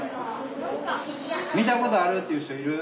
見たことあるっていう人いる？